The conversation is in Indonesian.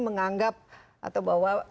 menganggap atau bahwa